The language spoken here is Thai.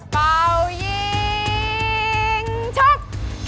เป่ายิงชก